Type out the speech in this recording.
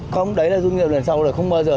không đấy là dung nhiệm lần sau là không bao giờ